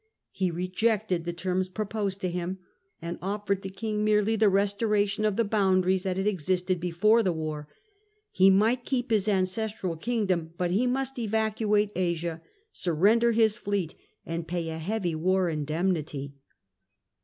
He rejected the terms proposed to him, and offered the king merely the restoration of the boundaries that had existed before the war. He might keep his ancestral kingdom, but he must evacuate Asia, surrender his fleet, and pay a heavy war indemnity.